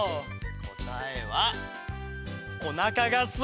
こたえはおなかがすいたひと！